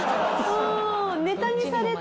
ネタにされてもね。